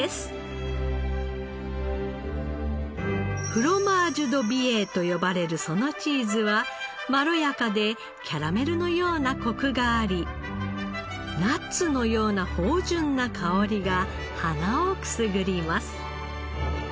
フロマージュ・ド・美瑛と呼ばれるそのチーズはまろやかでキャラメルのようなコクがありナッツのような芳醇な香りが鼻をくすぐります。